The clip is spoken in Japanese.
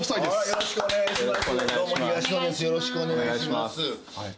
よろしくお願いします。